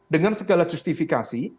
dengan segala justifikasi